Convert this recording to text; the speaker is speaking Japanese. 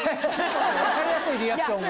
分かりやすいリアクションが。